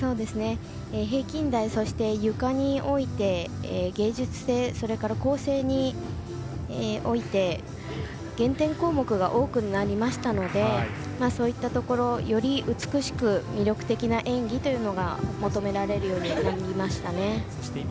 平均台、ゆかにおいて芸術性、構成において減点項目が多くなりましたのでそういったところより美しく魅力的な演技が求められるようになりましたね。